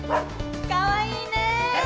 かわいいね。